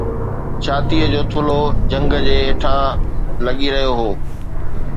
ڇاتيءَ جو ٿلهو جهنگ جي هيٺان لڳي رهيو هو